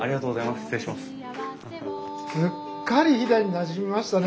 すっかり飛騨になじみましたね。